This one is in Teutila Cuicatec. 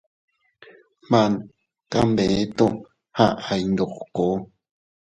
Man kanbeeto aʼay ndoko.